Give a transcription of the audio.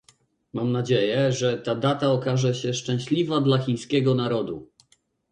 Mam nadzieję, że ta data okaże się szczęśliwa dla chińskiego narodu